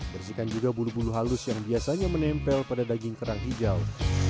bersihkan juga bulu bulu halus yang biasanya menempel pada daging kerang hijau